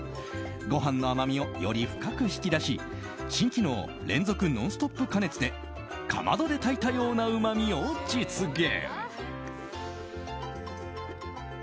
ご飯の甘みをより深く引き出し新機能、連続のスントップ加熱でかまどで炊いたようなうまみを実現。